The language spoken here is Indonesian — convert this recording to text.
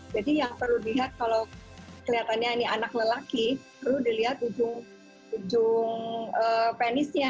jadi yang perlu dilihat kalau kelihatannya ini anak lelaki perlu dilihat ujung penisnya